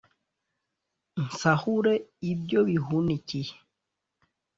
nsahure ibyo bihunikiye